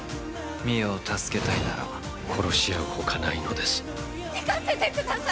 ・美世を助けたいなら殺し合うほかないのです行かせてください！